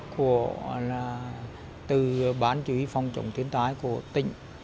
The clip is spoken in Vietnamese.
của là từ bán chủ yếu phòng trọng thiến tái của tỉnh